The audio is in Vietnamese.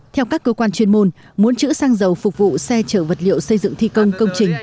theo các cơ quan chuyên môn muốn chữ xăng dầu phục vụ xe chở vật liệu xây dựng thi công công trình